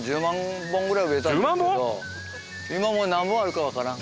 今もう何本あるかわからん。